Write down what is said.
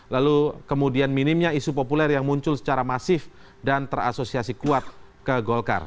lalu kemudian minimnya isu populer yang muncul secara masif dan terasosiasi kuat ke golkar